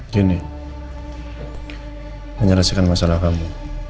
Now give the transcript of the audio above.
gini menyelesaikan masalah kamu